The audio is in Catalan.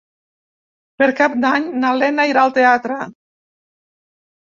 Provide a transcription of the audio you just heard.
Per Cap d'Any na Lena irà al teatre.